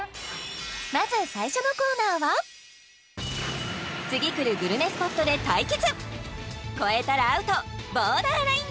まず最初のコーナーは次くるグルメスポットで対決